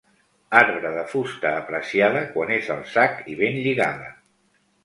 Arbre de fusta apreciada, quan és al sac i ben lligada.